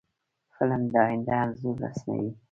فلم د آینده انځور رسموي